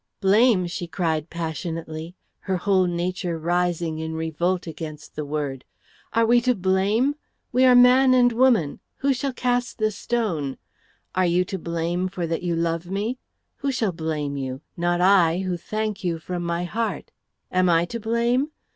"Blame!" she cried passionately, her whole nature rising in revolt against the word. "Are we to blame? We are man and woman. Who shall cast the stone? Are you to blame for that you love me? Who shall blame you? Not I, who thank you from my heart. Am I to blame?